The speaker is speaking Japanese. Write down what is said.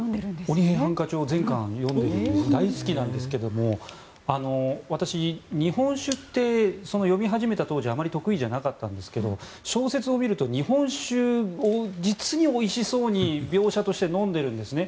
「鬼平犯科帳」全部読んでるんですが大好きなんですけど私、日本酒って読み始めた当時はあまり得意じゃなかったんですけど小説を見ると日本酒を実においしそうに描写として飲んでるんですね。